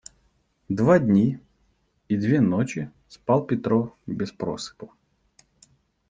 Два дни и две ночи спал Петро без просыпу.